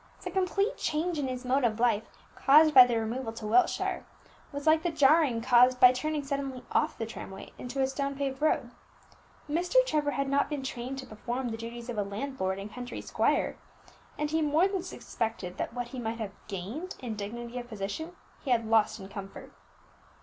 The complete change in his mode of life caused by the removal to Wiltshire, was like the jarring caused by turning suddenly off the tramway into a stone paved road. Mr. Trevor had not been trained to perform the duties of a landlord and country squire, and he more than suspected that what he might have gained in dignity of position he had lost in comfort.